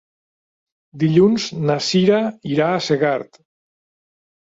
Dilluns na Cira irà a Segart.